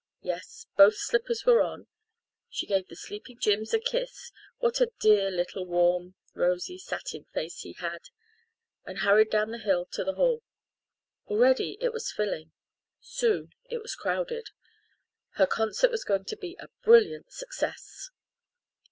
Yes, both slippers were on. She gave the sleeping Jims a kiss what a dear little warm, rosy, satin face he had and hurried down the hill to the hall. Already it was filling soon it was crowded. Her concert was going to be a brilliant success.